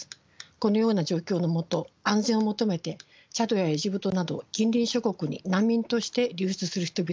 このような状況の下安全を求めてチャドやエジプトなど近隣諸国に難民として流出する人々も出ています。